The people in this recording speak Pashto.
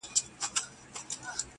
• خداى نه چي زه خواست كوم نو دغـــه وي.